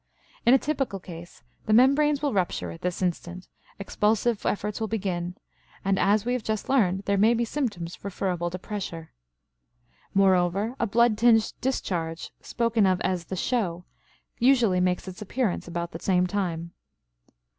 In a typical case the membranes will rupture at this instant, expulsive efforts will begin, and, as we have just learned, there may be symptoms referable to pressure. Moreover, a blood tinged discharge, spoken of as the "show," usually makes its appearance about the same time.